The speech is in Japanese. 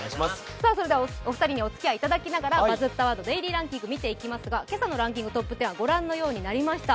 それではお二人にお付き合いいただきながら「バズったワードデイリーランキング」を見ていきますが、今朝のランキングトップ１０はご覧のようになりました。